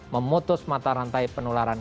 memutus mata rantai penularan